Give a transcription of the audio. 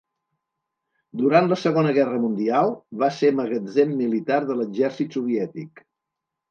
Durant la Segona Guerra Mundial va ser magatzem militar de l'exèrcit soviètic.